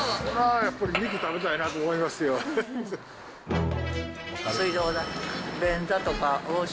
やっぱり肉食べたいなと思い水道代。